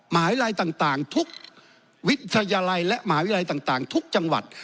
หมายลัยต่างทุกวิทยาลัยและมหาวิทยาลัยต่างทุกจังหวัด